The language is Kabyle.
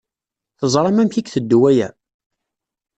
Teẓṛam amek i iteddu waya?